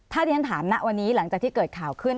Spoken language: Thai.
ถ้าที่ฉันถามณวันนี้หลังจากที่เกิดข่าวขึ้น